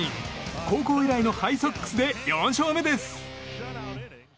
高校以来のハイソックスで４勝目です。